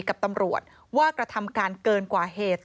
กับตำรวจว่ากระทำการเกินกว่าเหตุ